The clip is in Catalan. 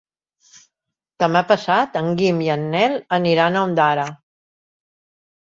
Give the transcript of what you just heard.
Demà passat en Guim i en Nel aniran a Ondara.